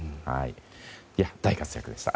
大活躍でした。